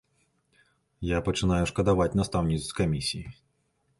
Я пачынаю шкадаваць настаўніц з камісіі.